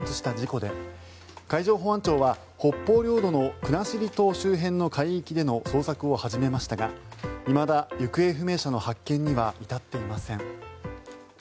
北海道の知床半島沖で観光船が沈没した事故で海上保安庁は北方領土の国後島周辺の海域での捜索を始めましたがいまだ行方不明者の発見には至っていません。